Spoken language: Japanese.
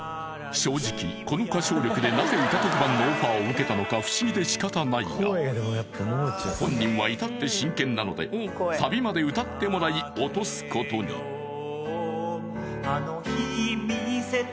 正直この歌唱力でなぜ歌特番のオファーを受けたのか不思議で仕方ないが本人はいたって真剣なのでサビまで歌ってもらい落とすことにかからが？